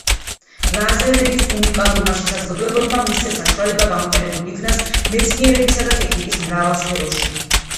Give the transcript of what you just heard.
ლაზერების უნიკალურმა შესაძლებლობებმა მისცეს საშუალება გამოყენებული იქნას მეცნიერებისა და ტექნიკის მრავალ სფეროში.